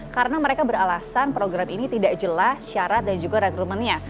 karena mereka beralasan program ini tidak jelas syarat dan juga regrumennya